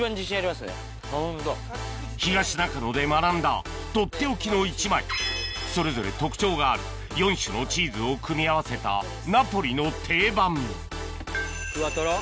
東中野で学んだとっておきの一枚それぞれ特徴がある４種のチーズを組み合わせたナポリの定番クアトロ？